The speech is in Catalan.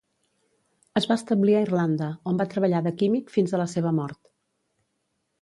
Es va establir a Irlanda, on va treballar de químic fins a la seva mort.